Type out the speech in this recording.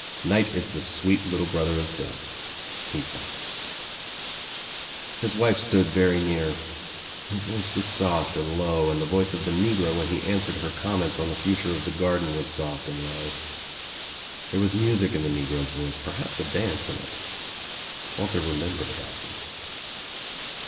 "Night is the sweet little brother of Death," thought. His wife stood very near. Her voice was soft and low and the voice of the negro when he answered hei comments on the future of the garden was soft an( low. There was music in the negro's voice, perhaps ; dance in it. Walter remembered about him.